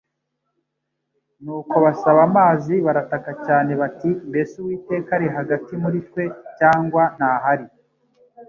nuko basaba amazi barataka cyane bati: “Mbese Uwiteka ari hagati muri twe cyangwa ntahari.